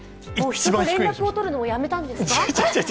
連絡を取るのもやめたんですか？